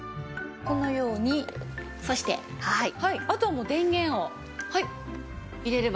このように差してあとはもう電源を入れれば。